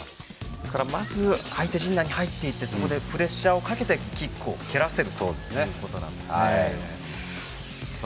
ですから、まず相手陣内に入っていってそこでプレッシャーをかけてキックを蹴らせるということなんですね。